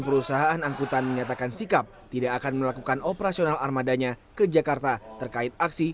perusahaan angkutan menyatakan sikap tidak akan melakukan operasional armadanya ke jakarta terkait aksi dua ratus dua belas